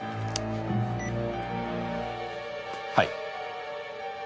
はい。